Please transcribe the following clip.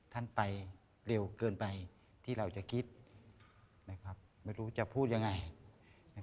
ท่านไปเร็วเกินไปที่เราจะคิดไม่รู้จะพูดยังไง